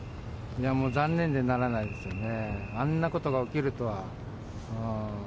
残念でならないですよね、あんなことが起きるとは。